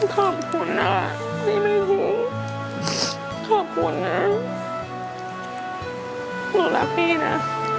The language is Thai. ขอบคุณนะคะที่ไม่รู้ขอบคุณนะหนูรักพี่นะ